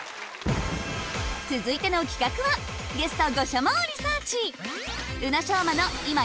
続いての企画はそれは